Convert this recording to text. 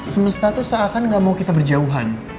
semesta itu seakan gak mau kita berjauhan